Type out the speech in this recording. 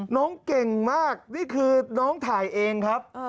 น้องเก่งมากนี่คือน้องถ่ายเองครับ